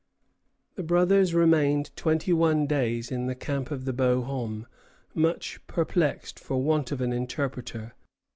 The brothers remained twenty one days in the camp of the Beaux Hommes, much perplexed for want of an interpreter.